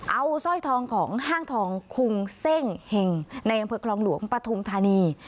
เอาสร้อยทองของห้างทองคุงเซ่งเห็งในอำเภอคลองหลวงปฐุมธานี